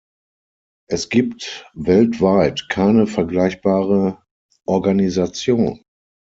Es gibt weltweit keine vergleichbare Organisation.